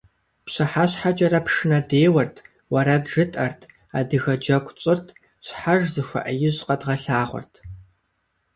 ПщыхьэщхьэкӀэрэ пшынэ деуэрт, уэрэд жытӀэрт, адыгэ джэгу тщӀырт - щхьэж зыхуэӀэижь къэдгъэлъагъуэрт.